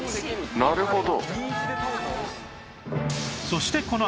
なるほど。